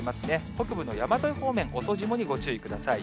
北部の山沿い方面、遅霜にご注意ください。